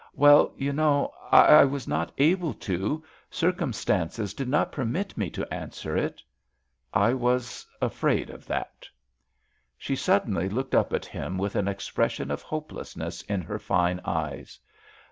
"Well, you know, I was not able to. Circumstances did not permit me to answer it." "I was afraid of that." She suddenly looked up at him with an expression of hopelessness in her fine eyes.